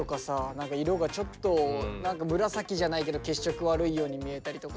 何か色がちょっと何か紫じゃないけど血色悪いように見えたりとかさ。